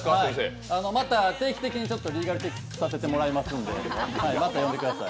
また、定期的にちょっとリーガルチェックさせていただきますので、また呼んでください。